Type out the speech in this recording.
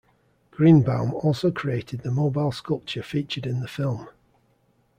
Greenbaum also created the mobile sculpture featured in the film.